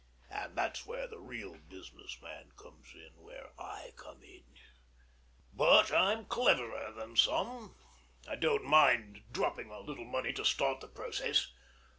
And that's where the real business man comes in: where I come in. But I'm cleverer than some: I don't mind dropping a little money to start the process.